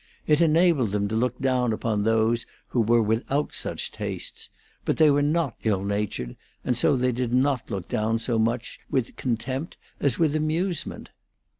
It enabled them to look down upon those who were without such tastes; but they were not ill natured, and so they did not look down so much with contempt as with amusement.